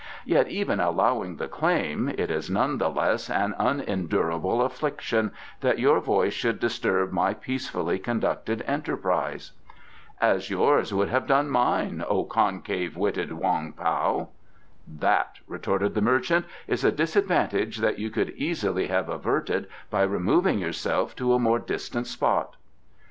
Yet even allowing the claim, it is none the less an unendurable affliction that your voice should disturb my peacefully conducted enterprise." "As yours would have done mine, O concave witted Wong Pao!" "That," retorted the merchant, "is a disadvantage that you could easily have averted by removing yourself to a more distant spot."